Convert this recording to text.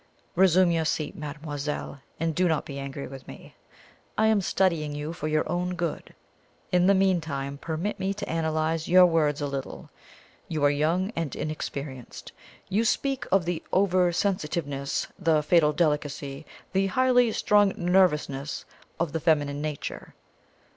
Resume your seat, mademoiselle, and do not be angry with me. I am studying you for your own good. In the meantime permit me to analyze your words a little. You are young and inexperienced. You speak of the 'over sensitiveness, the fatal delicacy, the highly strung nervousness of the feminine nature.'